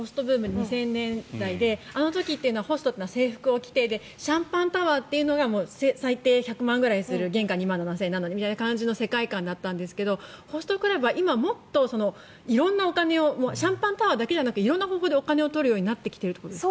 ２０００年代であの時はホストというのは制服を着てシャンパンタワーというのが最低１００万円ぐらいする原価２万７０００円みたいなのにみたいな世界観だったんですけどホストクラブは今、もっと色んなお金をシャンパンタワーだけじゃなく色んな方法でお金を取るようになってきていると。